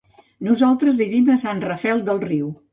Nosaltres vivim a Sant Rafel del Riu.